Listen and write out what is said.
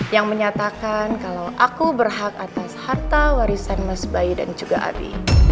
yang menyatakan kalau aku berhak atas harta warisan mas bayu dan juga abi